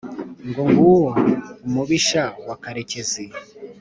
Ngo nguwo umubisha wa Karekezi!